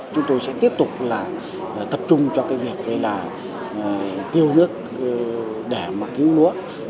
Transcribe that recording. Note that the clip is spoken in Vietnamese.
chúng tôi sẽ tiếp tục là tập trung cho cái việc là tiêu nước để mà cứu lúa